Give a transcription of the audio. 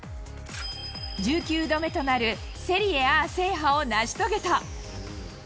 １９度目となるセリエＡ制覇を成し遂げた。